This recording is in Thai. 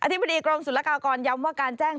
อธิบดีกรองศูนย์ละกากรย้ำว่าการแจ้ง